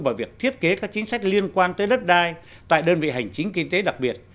vào việc thiết kế các chính sách liên quan tới đất đai tại đơn vị hành chính kinh tế đặc biệt